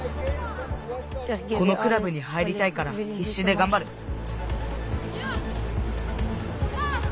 このクラブに入りたいからひっしでがんばる。